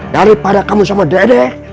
daripada kamu sama dede